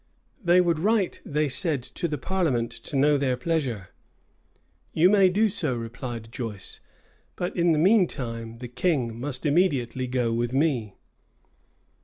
"They would write," they said, "to the parliament to know their pleasure." "You may do so," replied Joyce; "but in the mean time, the king must immediately go with me."